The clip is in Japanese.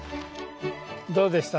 どうでした？